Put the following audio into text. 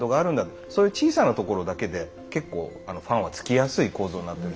そういう小さなところだけで結構ファンはつきやすい構造になってる。